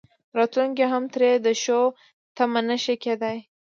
راتلونکي کې هم ترې د ښو تمه نه شي کېدای.